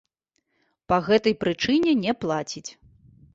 Па гэтай прычыне не плаціць.